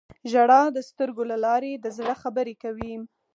• ژړا د سترګو له لارې د زړه خبرې کوي.